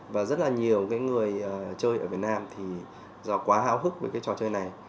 và rất là nhiều cái người chơi ở việt nam thì do quá háo hức với cái trò chơi này